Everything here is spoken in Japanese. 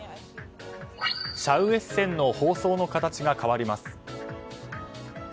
シャウエッセンの包装の形が変わります。